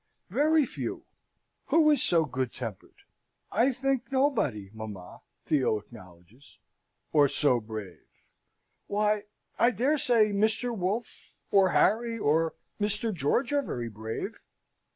"Very few. Who is so good tempered?" "I think nobody, mamma," Theo acknowledges. "Or so brave?" "Why, I dare say Mr. Wolfe, or Harry, or Mr. George, are very brave."